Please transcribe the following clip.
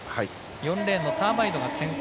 ４レーンのターバイドが先頭。